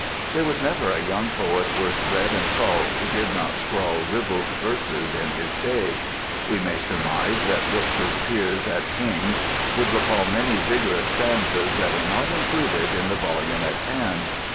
There was never a young poet worth bread and salt who did not scrawl ribald verses in his day; we may surmise that Brooke's peers at King's would recall many vigorous stanzas that are not included in the volume at hand.